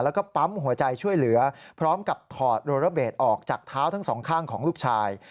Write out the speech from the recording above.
แล้วก็ปั๊มหัวใจช่วยเหลือพร้อมกับถอดโรระเบสออกจากเท้าทั้งสองข้างของลูกชาย